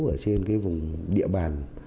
ở trên cái vùng địa bàn